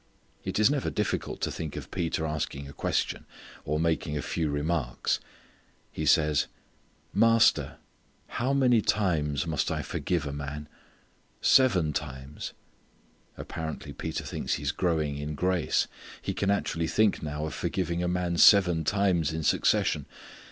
It is never difficult to think of Peter asking a question or making a few remarks. He says, "Master, how many times must I forgive a man? Seven times!" Apparently Peter thinks he is growing in grace. He can actually think now of forgiving a man seven times in succession.